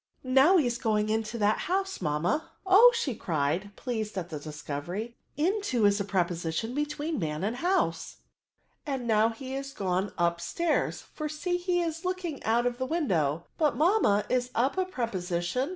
Now he is going into that house, mamma* Oh!" cried she, pleased at the discovery, into is a preposition between man and house; and now he is gone up stairs, for see, he is looking out of the window* But, mamma^ is «p a preposition?